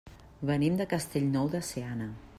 Venim de Castellnou de Seana.